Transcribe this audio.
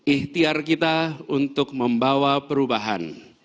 ikhtiar kita untuk membawa perubahan